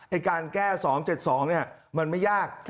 ไอ้การแก้๒๗๒เนี่ยมันไม่ยาก